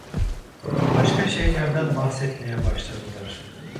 Başka şeylerden bahsetmeye başladılar.